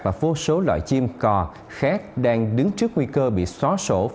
và vô số loại chim cò khác đang đứng trước nguy cơ